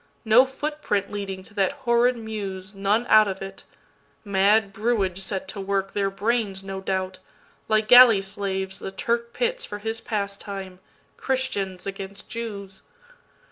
No foot print leading to that horrid mews, None out of it. Mad brewage set to workTheir brains, no doubt, like galley slaves the TurkPits for his pastime, Christians against Jews.